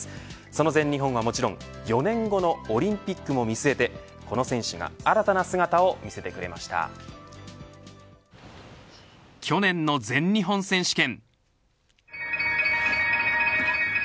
その全日本はもちろん４年後のオリンピックも見据えてこの選手が新たな姿を去年の全日本選手権。